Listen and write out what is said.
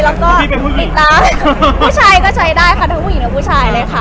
แล้วก็ปิดร้านผู้ชายก็ใช้ได้ค่ะทั้งผู้หญิงและผู้ชายเลยค่ะ